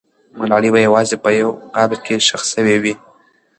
ملالۍ به یوازې په یو قبر کې ښخ سوې وي.